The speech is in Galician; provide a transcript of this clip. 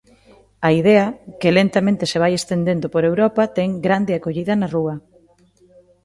A idea, que lentamente se vai estendendo por Europa, ten grande acollida na rúa.